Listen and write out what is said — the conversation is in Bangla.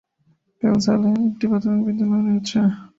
কেলসালে একটি প্রাথমিক বিদ্যালয় রয়েছে।